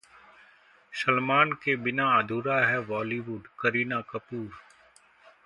सलमान के बिना अधूरा है बॉलीवुड: करीना कपूर